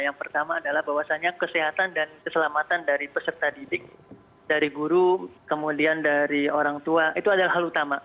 yang pertama adalah bahwasannya kesehatan dan keselamatan dari peserta didik dari guru kemudian dari orang tua itu adalah hal utama